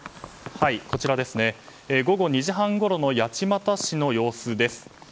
午後２時半ごろの八街市の様子です。